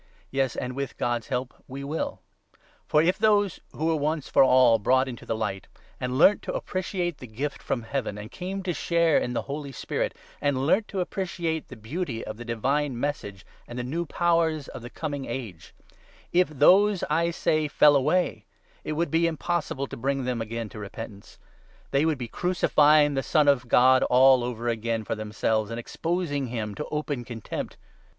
Yes and, with God's 3 help, we will. For if those who were once for all 4 brought into the Light, and learnt to appreciate the gift from Heaven, and came to share in the Holy Spirit, and learnt 5 to appreciate the beauty of the Divine Message, and the new powers of the Coming Age — if those, I say, fell away, it 6 would be impossible to bring them again to repentance ; they would be crucifying the Son of God over again for themselves, and exposing him to open contempt.